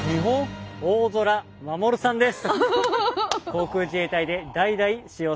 大空守さんです。